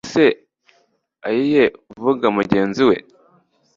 wese aiye avuga mugenzi we